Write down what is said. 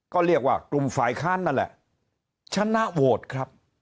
ก็เรียกว่ากลุ่มฝ่ายค้านนั่นแหละชนะโหวตครับ